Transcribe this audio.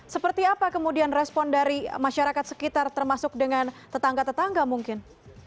seperti apa kemudian respon dari masyarakat sekitar termasuk dengan tetangga tetangga mungkin